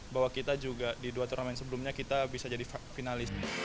bahwa kita juga di dua turnamen sebelumnya kita bisa jadi finalis